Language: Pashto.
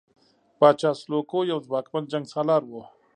پاچا سلوکو یو ځواکمن جنګسالار وو.